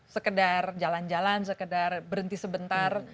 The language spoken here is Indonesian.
sekedar jalan jalan sekedar berhenti sebentar